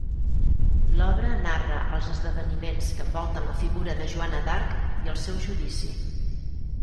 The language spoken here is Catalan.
L'obra narra els esdeveniments que envolten la figura de Joana d'Arc i el seu judici.